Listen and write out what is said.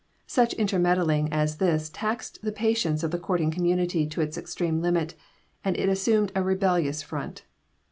Such intermeddling as this taxed the patience of the courting community to its extreme limit, and it assumed a rebellious front.